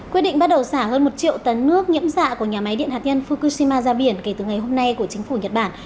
quyết định bắt đầu xả hơn một triệu tấn nước nhiễm xạ của nhà máy điện hạt nhân fukushima ra biển kể từ ngày hôm nay của chính phủ nhật bản